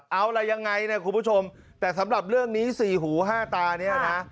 เอาล่ะยังไงเนี่ยคุณผู้ชมแต่สำหรับเรื่องนี้สี่หูห้าตาเนี่ยนะ